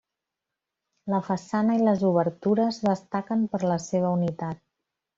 La façana i les obertures destaquen per la seva unitat.